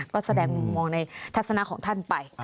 ก็แสดงมุมมองในทัศนะของท่านไป